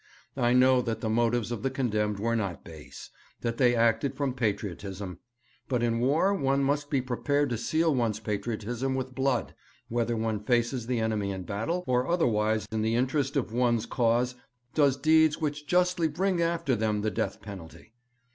'I know that the motives of the condemned were not base; that they acted from patriotism; but in war one must be prepared to seal one's patriotism with blood, whether one faces the enemy in battle, or otherwise in the interest of one's cause does deeds which justly bring after them the death penalty.